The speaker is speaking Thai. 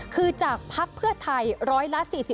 คือจากพักเพื่อไทย๑๔๑๗๐